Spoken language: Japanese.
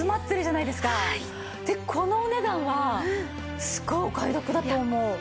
でこのお値段はすごいお買い得だと思う。